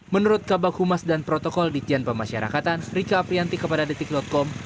menurut kabak humas dan protokol ditjen pemasyarakatan rika aprianti kepada detik com